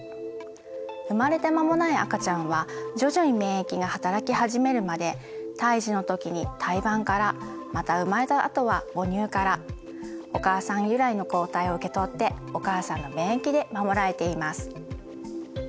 生まれて間もない赤ちゃんは徐々に免疫がはたらき始めるまで胎児の時に胎盤からまた生まれたあとは母乳からお母さん由来の抗体を受け取ってお母さんの免疫で守られています。